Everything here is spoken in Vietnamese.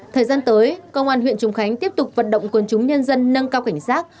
thời gian tới công an huyện trùng khánh tiếp tục vận động quân chúng nhân dân nâng cao cảnh giác